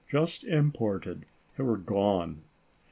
just imported, were gone.